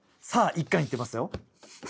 １巻いってみますよ。